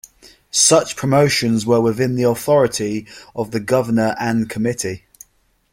Such promotions were within the authority of the Governor and Committee.